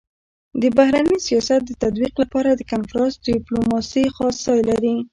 د بهرني سیاست د تطبيق لپاره د کنفرانس ډيپلوماسي خاص ځای لري.